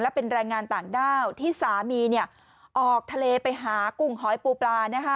เป็นแรงงานต่างด้าวที่สามีออกทะเลไปหากุ้งหอยปูปลา